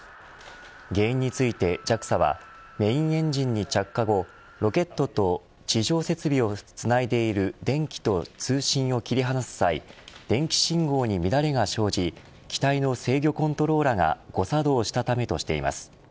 原因についてＪＡＸＡはメインエンジンに着火後ロケットと地上設備をつないでいる電気と通信を切り離す際電気信号に乱れが生じ機体の制御コントローラが誤作動したため、としています。